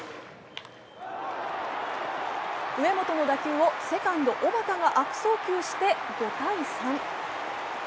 上本の打球をセカンド・小幡が悪送球して５−３。